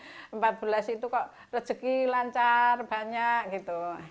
ya anak anak ya senanglah bisa membuat tersenyuman anak anak gitu waktu itu